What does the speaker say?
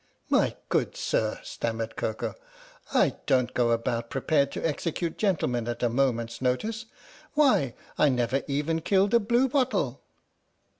" My good sir," stammered Koko, " I don't go about prepared to execute gentlemen at a moment's notice. Why I never even killed a blue bottle!